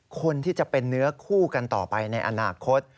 คนที่จะเป็นเนื้อคู่กันต่อไปในอนาคต